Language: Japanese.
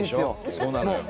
そうなのよ。